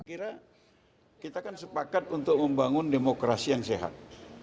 saya kira kita kan sepakat untuk membangun demokrasi yang sehat